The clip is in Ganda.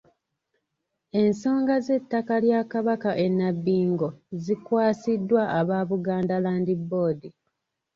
Ensonga z'ettaka lya Kabaka e Nabbingo zikwasiddwa aba Buganda Land Board.